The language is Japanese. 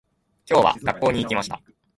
今日は、学校に行きました。